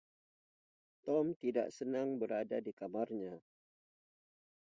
Tom tidak sedang berada di kamarnya.